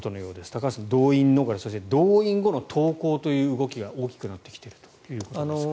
高橋さん、動員逃れそして動員後の投降ということが大きくなってきているということですが。